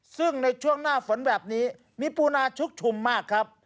ซึ่งในช่วงหน้าฝนแบบนี้มีปูนาชุกชุมมากครับ